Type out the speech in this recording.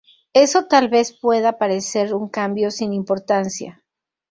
Eso tal vez pueda parecer un cambio sin importancia.